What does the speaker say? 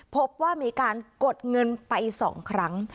พบว่ามีการกดเงินไป๒ครั้ง